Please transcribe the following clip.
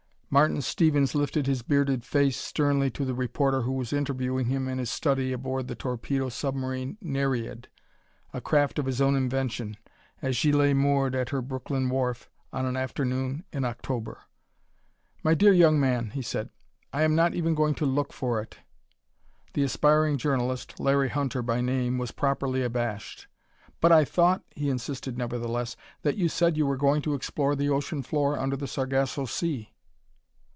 Martin Stevens lifted his bearded face sternly to the reporter who was interviewing him in his study aboard the torpedo submarine Nereid, a craft of his own invention, as she lay moored at her Brooklyn wharf, on an afternoon in October. "My dear young man," he said, "I am not even going to look for it." The aspiring journalist Larry Hunter by name was properly abashed. "But I thought," he insisted nevertheless, "that you said you were going to explore the ocean floor under the Sargasso Sea?"